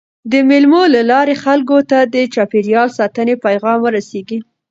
د مېلو له لاري خلکو ته د چاپېریال ساتني پیغام وررسېږي.